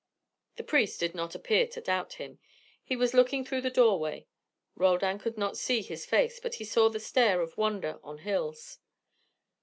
The priest did not appear to doubt him. He was looking through the doorway. Roldan could not see his face, but he saw the stare of wonder on Hill's.